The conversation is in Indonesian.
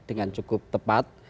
dengan cukup tepat